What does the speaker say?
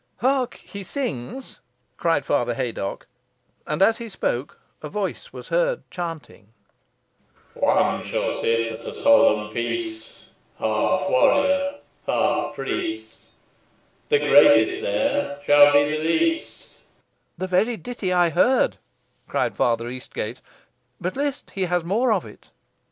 "Hark; he sings," cried Father Haydocke. And as he spoke a voice was heard chanting, "One shall sit at a solemn feast, Half warrior, half priest, The greatest there shall be the least." "The very ditty I heard," cried Father Eastgate; "but list, he has more of it."